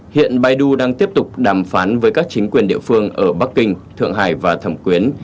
hiện baidu đang tiếp tục đàm phán với các chính quyền địa phương ở bắc kinh thượng hải và thẩm quyến